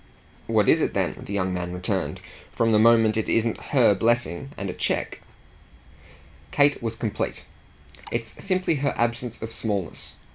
"What is it then," the young man returned "from the moment it isn't her blessing and a cheque?" Kate was complete. "It's simply her absence of smallness.